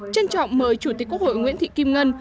trân trọng mời chủ tịch quốc hội nguyễn thị kim ngân